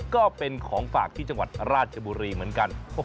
ก็เป็นของฝากที่จังหวัดราชบุรีเหมือนกัน